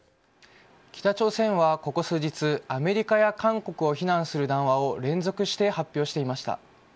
北朝鮮はここ数日アメリカや韓国を非難する談話を連続して発表していました。